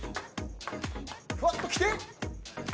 ふわっと来て。